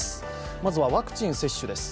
まずはワクチン接種です。